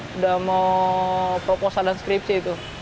sudah mau proposal dan skripsi itu